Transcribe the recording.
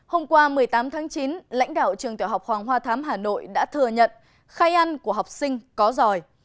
hôm qua một mươi tám tháng chín lãnh đạo trường tiểu học hoàng hoa thám hà nội đã thừa nhận khai ăn của học sinh có giỏi